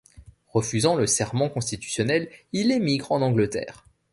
Refusant le serment constitutionnel, il émigre en Angleterre.